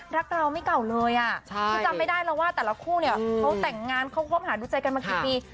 รักเราไม่เก่าเลยคือจำไม่ได้แล้วว่าแต่ละคู่เนี่ยเขาแต่งงานเขาคบหาดูใจกันมากี่ปี